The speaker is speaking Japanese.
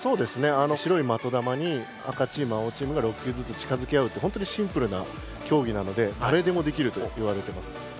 あの白い的球に赤チーム青チームが６球ずつ近づけ合うって本当にシンプルな競技なのでだれでもできるといわれてます。